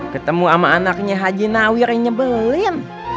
ketemu sama anaknya haji nawir yang nyebelin